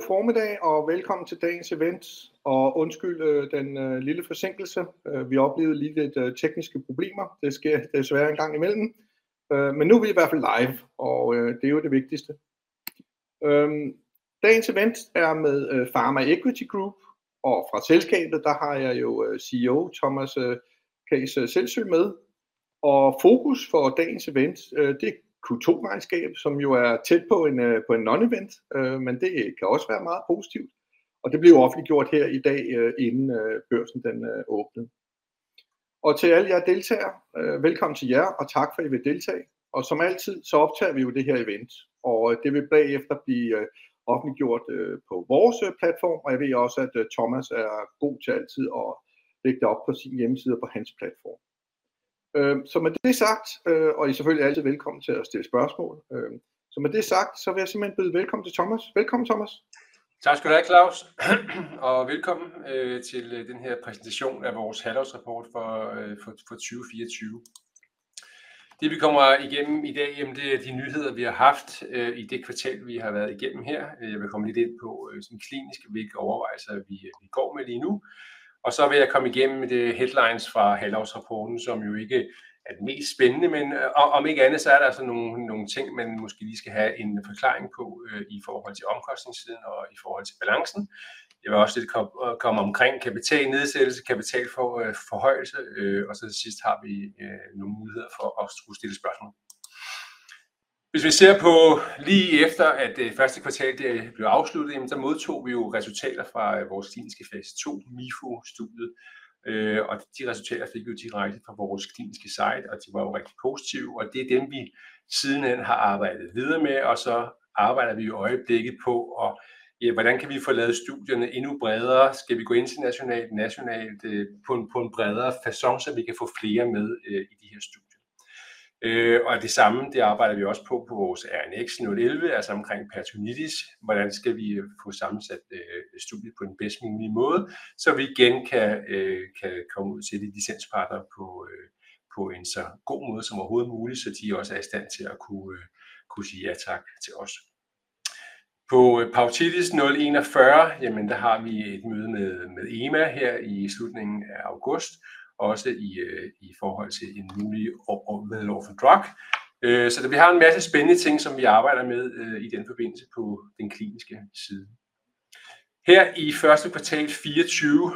God formiddag og velkommen til dagens event og undskyld den lille forsinkelse. Vi oplevede lige lidt tekniske problemer. Det sker desværre en gang imellem, men nu er vi i hvert fald live, og det er jo det vigtigste. Dagens event er med Pharma Equity Group og fra selskabet. Der har jeg jo CEO Thomas Kays Seldsø med. Fokus for dagens event er Q2 regnskab, som jo er tæt på en non event. Men det kan også være meget positivt, og det blev offentliggjort her i dag, inden børsen åbnede. Til alle jer deltagere. Velkommen til jer og tak fordi I vil deltage. Som altid, så optager vi jo det her event, og det vil bagefter blive offentliggjort på vores platform. Jeg ved også, at Thomas er god til altid at lægge det op på sin hjemmeside og på hans platform. Så med det sagt, og I er selvfølgelig altid velkommen til at stille spørgsmål. Med det sagt vil jeg simpelthen byde velkommen til Thomas. Velkommen Thomas. Tak skal du have Claus, og velkommen til den her præsentation af vores halvårsrapport for 2024. Det vi kommer igennem i dag, det er de nyheder, vi har haft i det kvartal, vi har været igennem her. Jeg vil komme lidt ind på klinisk, hvilke overvejelser vi går med lige nu, og så vil jeg komme igennem headlines fra halvårsrapporten, som jo ikke er den mest spændende. Men om ikke andet, så er der altså nogle ting, man måske lige skal have en forklaring på i forhold til omkostningssiden og i forhold til balancen. Jeg vil også komme omkring kapitalnedsættelse, kapitalforhøjelse og så til sidst har vi nogle muligheder for at stille spørgsmål. Hvis vi ser på lige efter at første kvartal blev afsluttet, så modtog vi jo resultater fra vores kliniske fase 2 Mifo studiet, og de resultater fik vi direkte fra vores kliniske site. Og de var jo rigtig positive, og det er dem, vi siden hen har arbejdet videre med. Og så arbejder vi i øjeblikket på at - hvordan kan vi få lavet studierne endnu bredere? Skal vi gå internationalt nationalt på en bredere facon, så vi kan få flere med i de her studier? Og det samme arbejder vi også på på vores RNX 011, altså omkring peritonitis. Hvordan skal vi få sammensat studiet på den bedst mulige måde, så vi igen kan komme ud til de licenspartnere på en så god måde som overhovedet muligt, så de også er i stand til at kunne sige ja tak til os på peritonitis. 041. Jamen der har vi et møde med EMA her i slutningen af august. Også i forhold til en mulig med lov for drug. Vi har en masse spændende ting, som vi arbejder med i den forbindelse. På den kliniske side her i første kvartal 2024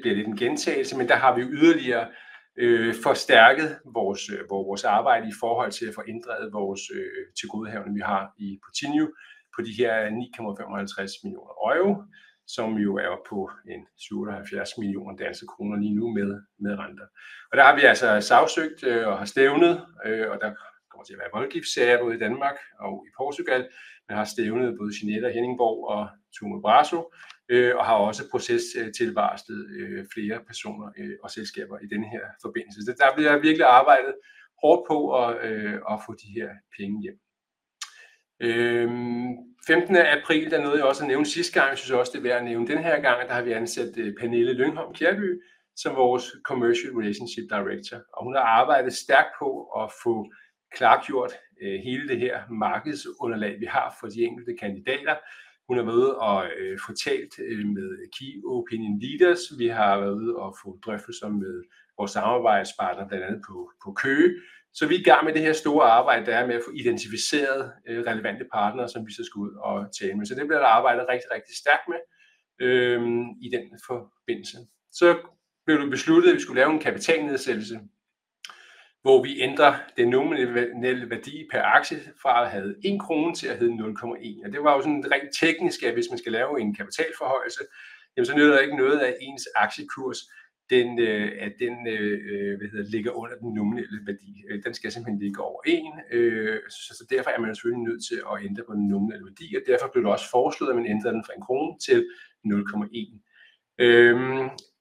bliver det lidt en gentagelse, men der har vi yderligere forstærket vores arbejde i forhold til at få inddrevet vores tilgodehavende, vi har i Portinho på de her €9,55 millioner, som jo er oppe på 778 millioner danske kroner lige nu med renter. Der har vi sagsøgt og har stævnet, og der kommer til at være voldgiftssager både i Danmark og i Portugal. Vi har stævnet både Jeanette og Henning Borg og Tumo Brasso og har også proces til varslet flere personer og selskaber i denne forbindelse. Der bliver virkelig arbejdet hårdt på at få de her penge hjem. 15. april nåede jeg også at nævne sidste gang. Jeg synes også, det er værd at nævne den her gang, at der har vi ansat Pernille Lyngholm Kjærbye som vores Commercial Relationship Director, og hun har arbejdet stærkt på at få klargjort hele det her markedsunderlag, vi har for de enkelte kandidater. Hun har været ude og få talt med key opinion leaders. Vi har været ude og få drøftelser med vores samarbejdspartnere, blandt andet på Køge. Så vi er i gang med det her store arbejde med at få identificeret relevante partnere, som vi så skal ud og tale med. Så det bliver der arbejdet rigtig, rigtig stærkt med. I den forbindelse så blev det besluttet, at vi skulle lave en kapitalnedsættelse, hvor vi ændrer den nominelle værdi per aktie fra at have en krone til at hedde 0,1 kr. Det var jo sådan rent teknisk, at hvis man skal lave en kapitalforhøjelse, jamen så nytter det ikke noget, at ens aktiekurs den, at den ligger under den nominelle værdi. Den skal simpelthen ligge over 1, så derfor er man selvfølgelig nødt til at ændre på den nominelle værdi, og derfor blev der også foreslået, at man ændrede den fra en krone til 0,1.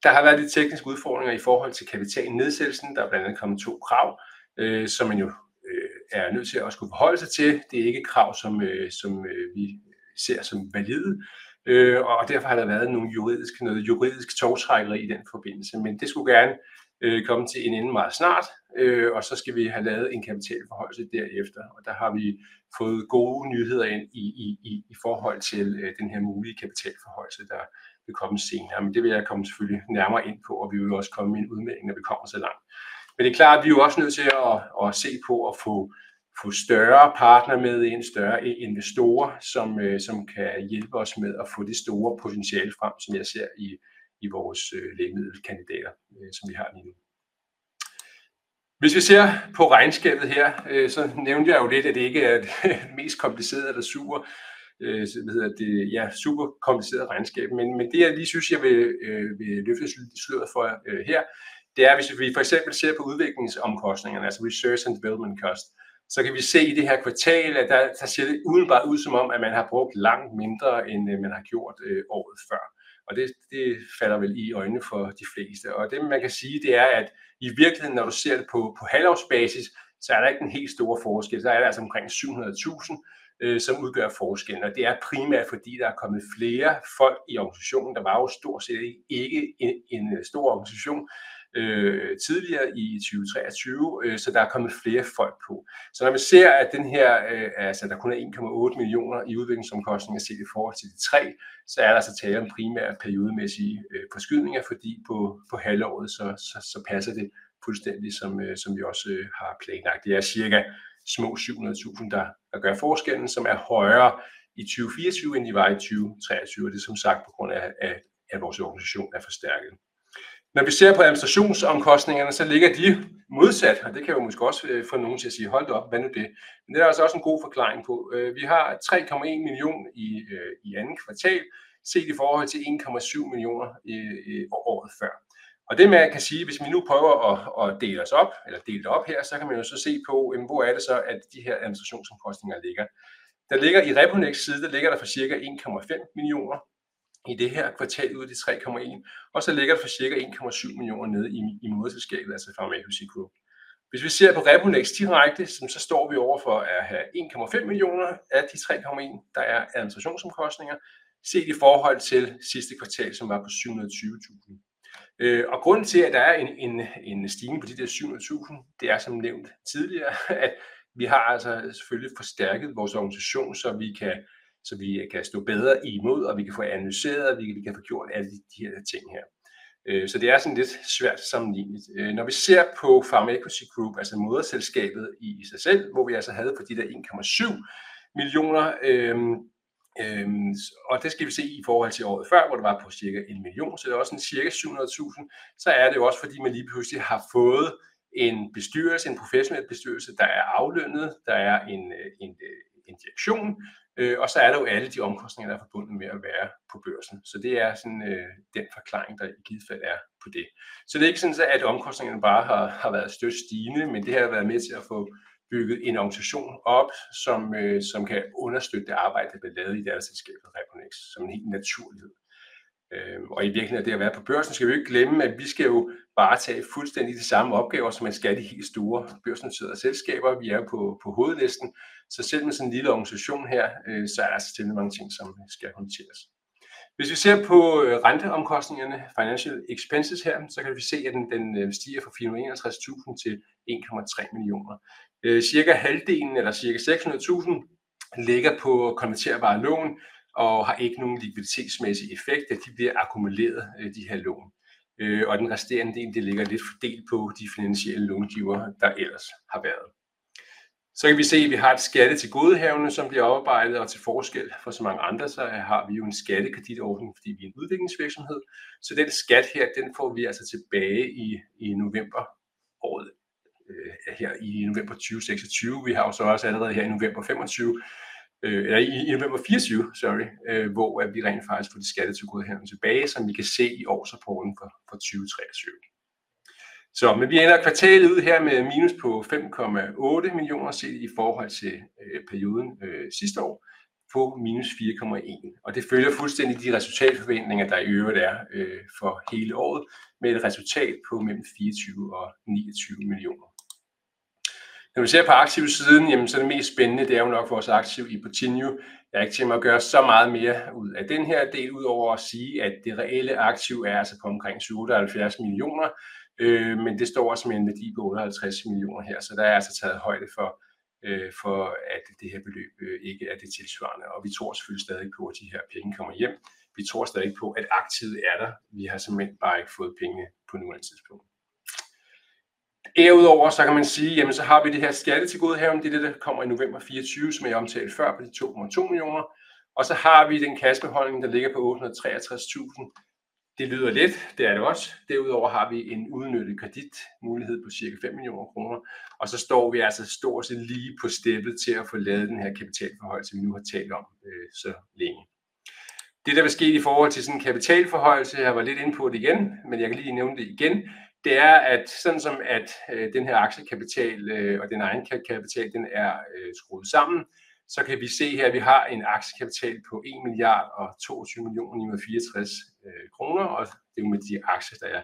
Der har været lidt tekniske udfordringer i forhold til kapitalnedsættelse. Der er blandt andet kommet to krav, som man jo er nødt til at skulle forholde sig til. Det er ikke krav, som vi ser som valide, og derfor har der været noget juridisk tovtrækkeri i den forbindelse. Men det skulle gerne komme til en ende meget snart, og så skal vi have lavet en kapitalforhøjelse derefter. Og der har vi fået gode nyheder ind i forhold til den her mulige kapitalforhøjelse, der vil komme senere. Men det vil jeg komme nærmere ind på, og vi vil også komme med en udmelding, når vi kommer så langt. Men det er klart, at vi er også nødt til at se på at få større partnere med ind. Større investorer, som kan hjælpe os med at få det store potentiale frem, som jeg ser i vores lægemiddelkandidater, som vi har lige nu. Hvis vi ser på regnskabet her, så nævnte jeg jo lidt, at det ikke er det mest komplicerede eller super kompliceret regnskab. Men det jeg lige synes, jeg vil løfte sløret for her, det er, hvis vi for eksempel ser på udviklingsomkostningerne, altså research and development cost, så kan vi se i det her kvartal, at der ser det umiddelbart ud som om, at man har brugt langt mindre, end man har gjort året før. Og det falder vel i øjnene for de fleste. Og det man kan sige, det er, at i virkeligheden, når du ser det på halvårs basis, så er der ikke den helt store forskel. Så er det altså omkring 700.000, som udgør forskellen. Og det er primært fordi der er kommet flere folk i organisationen. Der var jo stort set ikke en stor organisation tidligere i 2023, så der er kommet flere folk på. Så når vi ser, at der kun er 1,8 millioner i udviklingsomkostninger set i forhold til de tre, så er der tale om primært periodemæssige forskydninger, fordi på halvåret så passer det fuldstændig, som vi også har planlagt. Det er cirka små 700.000 kroner, der gør forskellen, som er højere i 2024, end de var i 2023. Og det er som sagt på grund af, at vores organisation er forstærket. Når vi ser på administrationsomkostningerne, så ligger de modsat. Og det kan jo måske også få nogen til at sige: "Hold da op, hvad er nu det?" Men det er der også en god forklaring på. Vi har 3,1 millioner i andet kvartal, set i forhold til 1,7 millioner året før. Og det man kan sige, hvis vi nu prøver at dele os op eller dele det op her, så kan man jo så se på, jamen hvor er det så, at de her administrationsomkostninger ligger? Der ligger i Reponex siden, der ligger der for cirka 1,5 millioner kroner i det her kvartal ud af de 3,1, og så ligger der for cirka 1,7 millioner kroner nede i moderselskabet, altså Pharmacy Group. Hvis vi ser på Reponex direkte, så står vi over for at have 1,5 millioner kroner af de 3,1, der er administrationsomkostninger set i forhold til sidste kvartal, som var på 720.000 kroner. Grunden til, at der er en stigning på de syv hundrede tusinde, det er som nævnt tidligere, at vi har selvfølgelig forstærket vores organisation, så vi kan stå bedre imod, og vi kan få analyseret, og vi kan få gjort alle de her ting. Så det er lidt svært sammenligneligt. Når vi ser på Pharmacy Group, altså moderselskabet i sig selv, hvor vi havde på de 1,7 millioner, og det skal vi se i forhold til året før, hvor det var på cirka en million, så det er også cirka syv hundrede tusinde. Det er også, fordi man lige pludselig har fået en bestyrelse, en professionel bestyrelse, der er aflønnet. Der er en direktion, og så er der alle de omkostninger, der er forbundet med at være på børsen. Så det er sådan den forklaring, der i givet fald er på det. Så det er ikke sådan, at omkostningerne bare har været støt stigende, men det har været med til at få bygget en organisation op, som kan understøtte det arbejde, der bliver lavet i datterselskabet Reponex som en helt naturlighed. Og i virkeligheden af det at være på børsen, skal vi ikke glemme, at vi skal jo varetage fuldstændig de samme opgaver, som man skal i de helt store børsnoterede selskaber. Vi er jo på hovedlisten, så selv med sådan en lille organisation her, så er der stadigvæk mange ting, som skal håndteres. Hvis vi ser på renteomkostningerne, financial expenses her, så kan vi se, at den stiger fra 471.000 kr. til 1,3 millioner kr. Cirka halvdelen eller cirka seks hundrede tusinde ligger på konverterbare lån og har ikke nogen likviditetsmæssig effekt, da de bliver akkumuleret de her lån. Den resterende del ligger lidt fordelt på de finansielle långivere, der ellers har været. Vi kan se, at vi har et skattetilgodehavende, som bliver oparbejdet, og til forskel fra så mange andre, så har vi jo en skattekreditordning, fordi vi er en udviklingsvirksomhed. Denne skat her, den får vi altså tilbage i november året her i november 2026. Vi har jo også allerede her i november 2025 eller i november 2024, hvor vi rent faktisk får det skattetilgodehavende tilbage, som vi kan se i årsrapporten for 2023. Vi ender kvartalet ud her med et minus på DKK 5,8 millioner set i forhold til perioden sidste år på minus DKK 4,1 millioner. Og det følger fuldstændig de resultatforventninger, der i øvrigt er for hele året med et resultat på mellem 24 og 29 millioner. Når vi ser på aktivsiden, så er det mest spændende, det er jo nok vores aktiv i Portinho. Jeg har ikke til at gøre så meget mere ud af den her del, udover at sige, at det reelle aktiv er altså på omkring 778 millioner, men det står som en værdi på 58 millioner her. Så der er altså taget højde for, at det her beløb ikke er det tilsvarende. Og vi tror selvfølgelig stadig på, at de her penge kommer hjem. Vi tror stadig på, at aktivet er der. Vi har bare ikke fået pengene på nuværende tidspunkt. Derudover så kan man sige, så har vi det her skattetilgodehavende. Det er det, der kommer i november 2024, som jeg omtalte før, på de DKK 2,2 millioner. Og så har vi den kassebeholdning, der ligger på DKK 863.000. Det lyder lidt. Det er det også. Derudover har vi en uudnyttet kreditmulighed på cirka DKK 5 millioner. Og så står vi altså stort set lige på stedet til at få lavet den her kapitalforhøjelse, vi nu har talt om så længe. Det, der vil ske i forhold til sådan en kapitalforhøjelse, jeg var lidt inde på det igen, men jeg kan lige nævne det igen. Det er, at sådan som den her aktiekapital og den egenkapital, den er skruet sammen, så kan vi se her, at vi har en aktiekapital på DKK 1.022.943, og det er med de aktier, der er.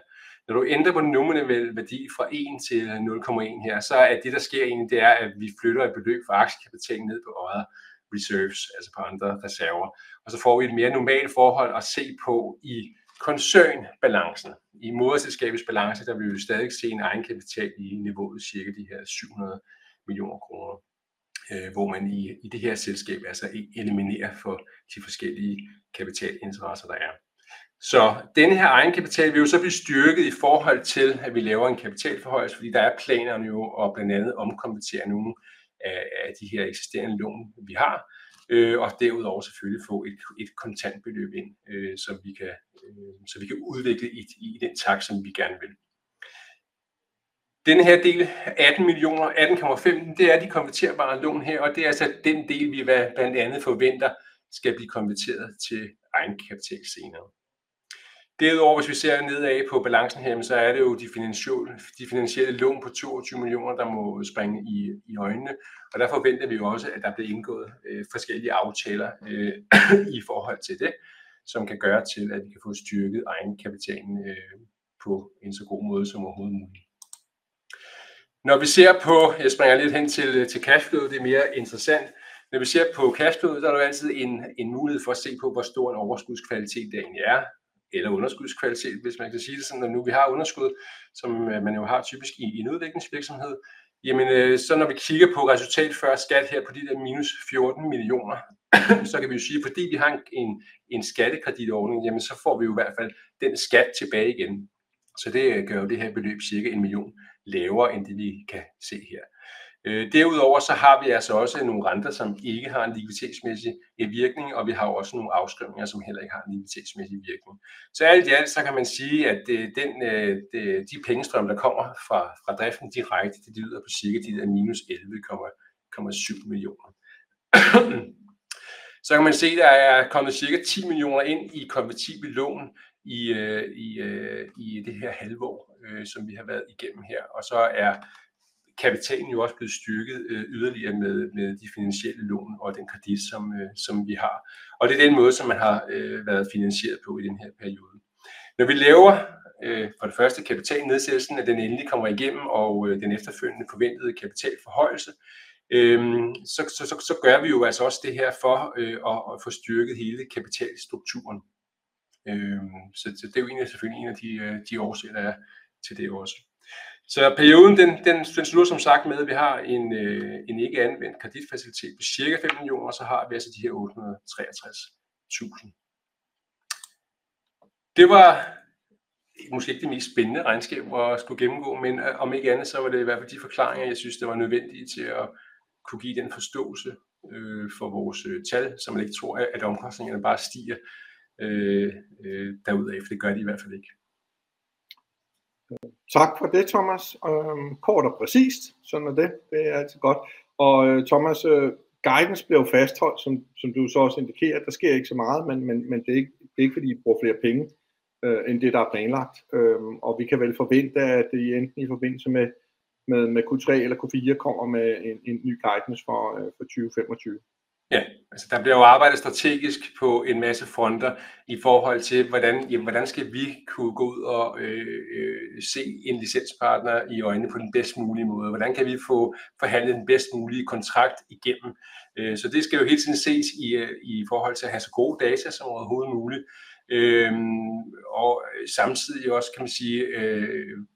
Når du ændrer på den nominelle værdi fra en til nul komma en her, så er det, der sker egentlig, det er, at vi flytter et beløb fra aktiekapitalen ned på other reserves, altså på andre reserver, og så får vi et mere normalt forhold at se på i koncernbalancen. I moderselskabets balance, der vil vi stadig se en egenkapital i niveauet cirka de her DKK 700 millioner, hvor man i det her selskab altså eliminerer for de forskellige kapitalinteresser, der er. Så denne her egenkapital vil jo så blive styrket i forhold til, at vi laver en kapitalforhøjelse, fordi der er planer om jo blandt andet at omkonvertere nogle af de her eksisterende lån, vi har, og derudover selvfølgelig få et kontantbeløb ind, så vi kan udvikle i den takt, som vi gerne vil. Denne her del, 18 millioner, 18,5, det er de konverterbare lån her, og det er altså den del, vi blandt andet forventer skal blive konverteret til egenkapital senere. Derudover, hvis vi ser nedad på balancen her, så er det jo de finansielle lån på 22 millioner, der må springe i øjnene, og der forventer vi jo også, at der bliver indgået forskellige aftaler i forhold til det, som kan gøre, at vi kan få styrket egenkapitalen på en så god måde som overhovedet muligt. Når vi ser på... Jeg springer lidt hen til cash flowet. Det er mere interessant. Når vi ser på cash flowet, der er jo altid en mulighed for at se på, hvor stor en overskudskvalitet det egentlig er. Eller underskudskvalitet, hvis man kan sige det sådan, når nu vi har underskud, som man jo har typisk i en udviklingsvirksomhed. Når vi kigger på resultat før skat her på de der minus 14 millioner, så kan vi jo sige, at fordi vi har en skattekreditordning, så får vi jo i hvert fald den skat tilbage igen. Så det gør jo det her beløb cirka 1 million lavere, end det vi kan se her. Derudover så har vi altså også nogle renter, som ikke har en likviditetsmæssig virkning, og vi har også nogle afskrivninger, som heller ikke har en likviditetsmæssig virkning. Så alt i alt så kan man sige, at de pengestrømme, der kommer fra driften direkte, de lyder på cirka de der minus 11,7 millioner. Så kan man se, at der er kommet cirka ti millioner ind i konvertible lån i det her halvår, som vi har været igennem her. Og så er kapitalen jo også blevet styrket yderligere med de finansielle lån og den kredit, som vi har. Og det er den måde, som man har været finansieret på i den her periode. Når vi laver for det første kapitalnedsættelsen, at den endelig kommer igennem og den efterfølgende forventede kapitalforhøjelse, så gør vi jo altså også det her for at få styrket hele kapitalstrukturen. Det er jo egentlig selvfølgelig en af de årsager, der er til det også. Perioden den slutter som sagt med, at vi har en ikke anvendt kreditfacilitet på cirka fem millioner, og så har vi altså de her otte hundrede treogtres tusinde. Det var måske ikke det mest spændende regnskab at skulle gennemgå, men om ikke andet, så var det i hvert fald de forklaringer, jeg syntes, det var nødvendige til at kunne give den forståelse for vores tal, så man ikke tror, at omkostningerne bare stiger derudaf. Det gør de i hvert fald ikke. Tak for det, Thomas. Kort og præcist. Sådan er det. Det er altid godt. Thomas' guidance bliver jo fastholdt, som du så også indikerer. Der sker ikke så meget. Men det er ikke, fordi I bruger flere penge end det, der er planlagt, og vi kan vel forvente, at det enten i forbindelse med Q3 eller Q4 kommer med en ny guidance for 2025. Ja, der bliver jo arbejdet strategisk på en masse fronter i forhold til hvordan? Jamen hvordan skal vi kunne gå ud og se en licenspartner i øjnene på den bedst mulige måde? Hvordan kan vi få forhandlet den bedst mulige kontrakt igennem? Det skal jo hele tiden ses i forhold til at have så gode data som overhovedet muligt og samtidig også, kan man sige,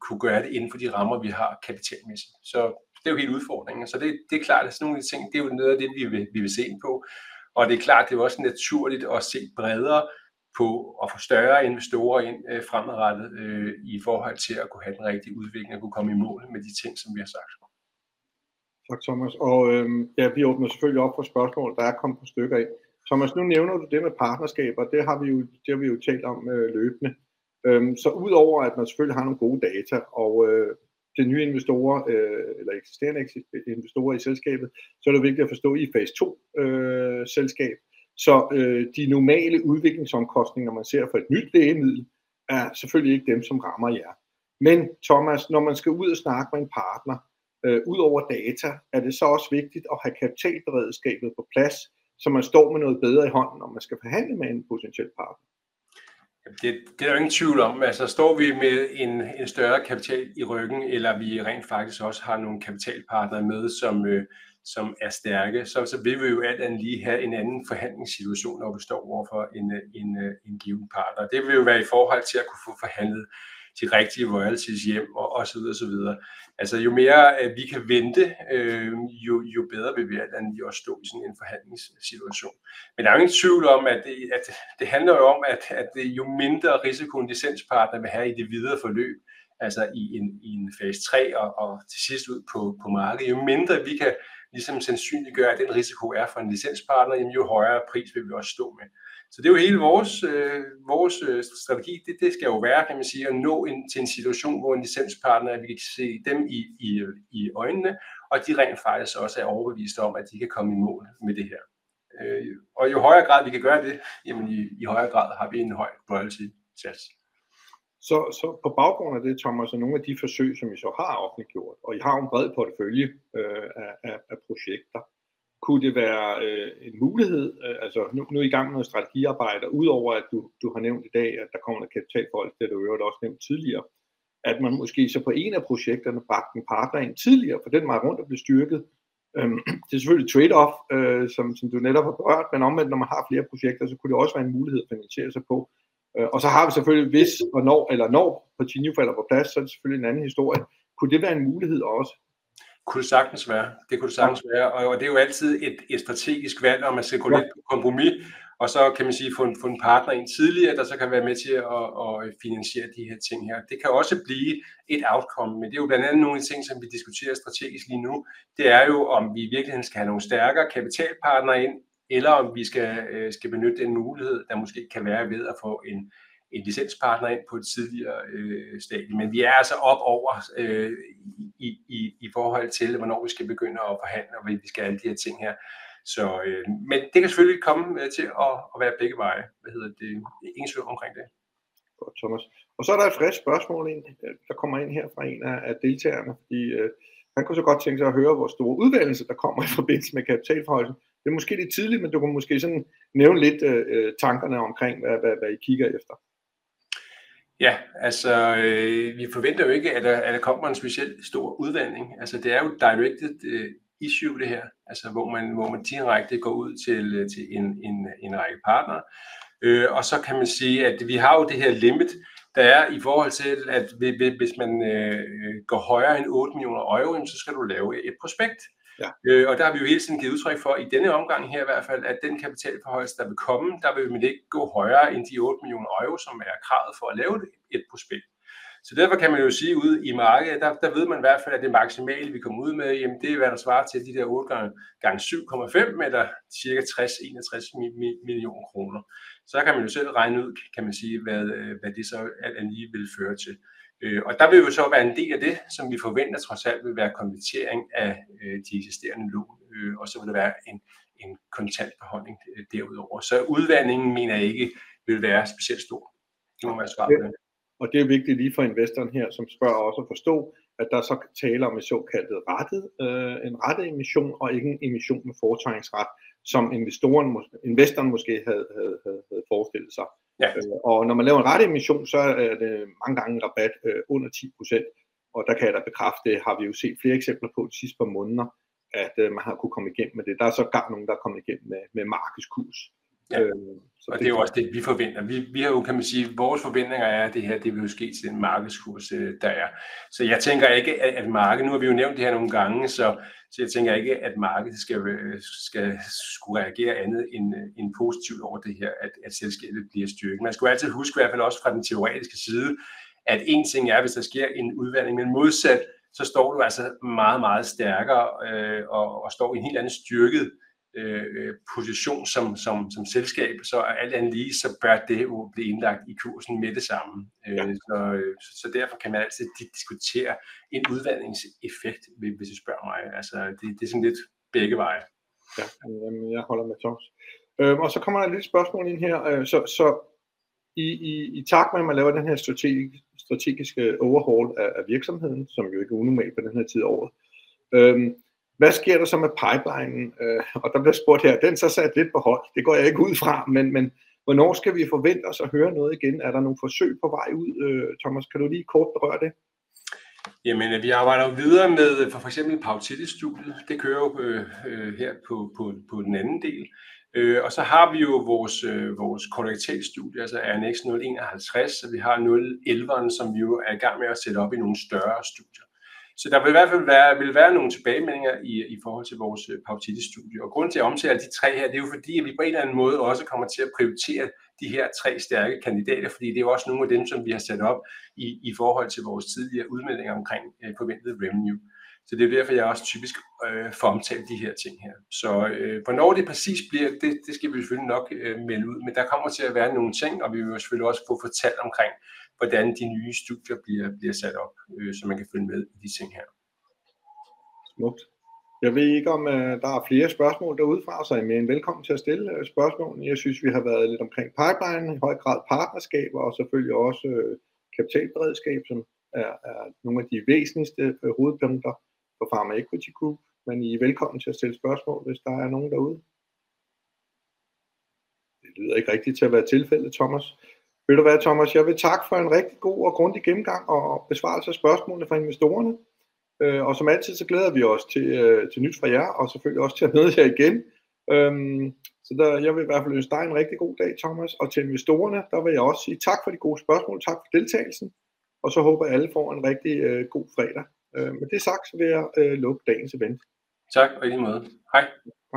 kunne gøre det inden for de rammer, vi har kapitalmæssigt. Det er jo hele udfordringen. Det er klart, at sådan nogle ting, det er jo noget af det, vi vil se på. Det er klart, at det er også naturligt at se bredere på at få større investorer ind fremadrettet i forhold til at kunne have den rigtige udvikling og kunne komme i mål med de ting, som vi har sagt. Tak Thomas. Og ja, vi åbner selvfølgelig op for spørgsmål. Der er kommet et par stykker ind. Thomas, nu nævner du det med partnerskaber. Det har vi jo. Det har vi jo talt om løbende. Så ud over at man selvfølgelig har nogle gode data, og det er nye investorer eller eksisterende investorer i selskabet, så er det vigtigt at forstå i fase 2 selskab, så de normale udviklingsomkostninger, man ser for et nyt lægemiddel, er selvfølgelig ikke dem, som rammer jer. Men Thomas, når man skal ud og snakke med en partner. Ud over data, er det så også vigtigt at have kapital beredskabet på plads, så man står med noget bedre i hånden, når man skal forhandle med en potentiel partner? Det er der ingen tvivl om. Altså står vi med en større kapital i ryggen, eller vi rent faktisk også har nogle kapitalpartnere med, som er stærke, så vil vi jo alt andet lige have en anden forhandlingssituation, når vi står over for en given partner. Det vil jo være i forhold til at kunne få forhandlet de rigtige royalties hjem og så videre og så videre. Altså, jo mere vi kan vente, jo bedre vil vi alt andet lige også stå i sådan en forhandlingssituation. Men der er ingen tvivl om, at det handler jo om, at jo mindre risiko en licenspartner vil have i det videre forløb, altså i en fase 3 og til sidst ud på markedet. Jo mindre vi kan ligesom sandsynliggøre, at den risiko er for en licenspartner, jo højere pris vil vi også stå med. Så det er jo hele vores strategi. Det skal jo være, kan man sige, at nå til en situation, hvor en licenspartner vi kan se dem i øjnene, og de rent faktisk også er overbeviste om, at de kan komme i mål med det her. Og i jo højere grad vi kan gøre det, jamen i jo højere grad har vi en høj royalty-sats. Så på baggrund af det Thomas og nogle af de forsøg, som I så har offentliggjort, og I har jo en bred portefølje af projekter, kunne det være en mulighed. Nu i gang med noget strategiarbejde. Udover at du har nævnt i dag, at der kommer en kapitalforhøjelse. Det har du i øvrigt også nævnt tidligere, at man måske så på en af projekterne bragte en partner ind tidligere for den vej rundt at blive styrket. Det er selvfølgelig trade off, som du netop har berørt. Men omvendt, når man har flere projekter, så kunne det også være en mulighed at finansiere sig på. Og så har vi selvfølgelig, hvis, hvornår eller når Portinho falder på plads, så er det selvfølgelig en anden historie. Kunne det være en mulighed også? Kunne sagtens være. Det kunne sagtens være, og det er jo altid et strategisk valg, om man skal gå lidt på kompromis, og så kan man sige få en partner ind tidligere, der så kan være med til at finansiere de her ting her. Det kan også blive et outcome, men det er jo blandt andet nogle af de ting, som vi diskuterer strategisk lige nu. Det er jo, om vi i virkeligheden skal have nogle stærkere kapitalpartnere ind, eller om vi skal benytte den mulighed, der måske kan være ved at få en licenspartner ind på et tidligere stadie. Men vi er altså oppe over i forhold til, hvornår vi skal begynde at forhandle, og vi skal have alle de her ting her, så. Men det kan selvfølgelig komme til at være begge veje. Hvad hedder det? Ingen tvivl omkring det. Thomas. Og så er der et frisk spørgsmål ind, der kommer ind her fra en af deltagerne, fordi han kunne så godt tænke sig at høre, hvor stor udvandingen der kommer i forbindelse med kapitalforhøjelsen. Det er måske lidt tidligt, men du kan måske nævne lidt tankerne omkring, hvad I kigger efter. Ja, altså vi forventer jo ikke, at der kommer en specielt stor udvanding. Altså, det er jo directed issue, det her. Altså hvor man direkte går ud til en række partnere. Og så kan man sige, at vi har jo det her limit, der er i forhold til, at hvis man går højere end €8 millioner, jamen så skal du lave et prospekt. Ja, og det har vi jo hele tiden givet udtryk for i denne omgang. I hvert fald, at den kapitalforhøjelse, der vil komme, der vil ikke gå højere end de €8 millioner, som er kravet for at lave et prospekt. Så derfor kan man jo sige ude i markedet, der ved man i hvert fald, at det maksimale, vi kommer ud med, jamen det er, hvad der svarer til de der 8 gange 7,5 eller cirka 60-61 millioner kroner. Så kan man jo selv regne ud, kan man sige, hvad det så alt andet lige vil føre til. Og der vil jo så være en del af det, som vi forventer trods alt vil være konvertering af de eksisterende lån, og så vil der være en kontant forhøjelse derudover. Så udvandingen mener jeg ikke vil være specielt stor. Og det er vigtigt lige for investoren her, som spørger, også at forstå, at der så er tale om en såkaldt rettet emission og ikke en emission med fortegningsret, som investoren måske havde forestillet sig. Ja. Og når man laver en retteemission, så er det mange gange en rabat under 10%. Og der kan jeg da bekræfte, det har vi jo set flere eksempler på de sidste par måneder, at man har kunnet komme igennem med det. Der er sågar nogen, der er kommet igennem med markedskurs. Ja, og det er jo også det, vi forventer. Vi har jo, kan man sige, vores forventninger er, at det her, det vil ske til den markedskurs, der er. Så jeg tænker ikke, at markedet - nu har vi jo nævnt det her nogle gange, så jeg tænker ikke, at markedet skal skulle reagere andet end positivt over det her, at selskabet bliver styrket. Man skal altid huske, i hvert fald også fra den teoretiske side, at en ting er, hvis der sker en udvanding, men modsat, så står du altså meget, meget stærkere og står i en helt anden styrket position som selskab. Så alt andet lige, så bør det jo blive indlagt i kursen med det samme. Så derfor kan man altid diskutere en udvandingseffekt, hvis I spørger mig. Altså, det er sådan lidt begge veje. Ja, jeg holder med Thomas. Og så kommer der et lille spørgsmål ind her. Så i takt med at man laver den her strategiske overhaul af virksomheden, som jo ikke er unormalt på den her tid af året, hvad sker der så med pipelinen? Og der bliver spurgt her: er den så sat lidt på hold? Det går jeg ikke ud fra, men hvornår skal vi forvente at høre noget igen? Er der nogle forsøg på vej ud? Thomas, kan du lige kort berøre det? Jamen vi arbejder jo videre med for eksempel paritet i studiet. Det kører jo her på den anden del. Og så har vi jo vores kolorektale studie, altså NX 051, og vi har 011'eren, som vi jo er i gang med at sætte op i nogle større studier. Så der vil i hvert fald være nogle tilbagemeldinger i forhold til vores paritet studie. Og grunden til, at jeg omtaler de tre her, det er jo, fordi vi på en eller anden måde også kommer til at prioritere de her tre stærke kandidater, fordi det er også nogle af dem, som vi har sat op i forhold til vores tidligere udmeldinger omkring forventet revenue. Så det er derfor, jeg også typisk får omtalt de her ting her. Så hvornår det præcist bliver det, det skal vi selvfølgelig nok melde ud, men der kommer til at være nogle ting, og vi vil jo selvfølgelig også få fortalt omkring, hvordan de nye studier bliver sat op, så man kan følge med i de ting her. Smukt! Jeg ved ikke, om der er flere spørgsmål derudefra, så I er mere end velkommen til at stille spørgsmål. Jeg synes, vi har været lidt omkring pipelinen, i høj grad partnerskaber og selvfølgelig også kapitalberedskab, som er nogle af de væsentligste hovedpunkter for Pharma Equity Group. Men I er velkommen til at stille spørgsmål, hvis der er nogen derude. Det lyder ikke rigtigt til at være tilfældet, Thomas. Ved du hvad, Thomas? Jeg vil takke for en rigtig god og grundig gennemgang og besvarelse af spørgsmålene fra investorerne. Som altid, så glæder vi os til nyt fra jer og selvfølgelig også til at møde jer igen. Så jeg vil i hvert fald ønske dig en rigtig god dag, Thomas. Til investorerne, der vil jeg også sige tak for de gode spørgsmål. Tak for deltagelsen. Så håber jeg, at alle får en rigtig god fredag. Med det sagt vil jeg lukke dagens event. Tak i lige måde. Hej hej.